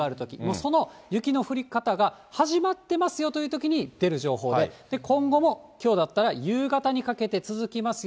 その雪の降り方が始まってますよというときに出る情報で、今後もきょうだったら夕方にかけて続きますよ。